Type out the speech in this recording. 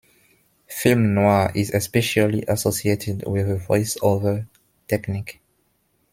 Film noir is especially associated with the voice-over technique.